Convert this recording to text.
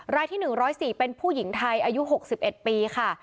รายที่๑๐๔เป็นผู้หญิงไทยอายุ๖๑ปีค่ะ